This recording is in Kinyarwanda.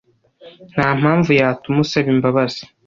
Nta mpamvu yatuma usaba imbabazi.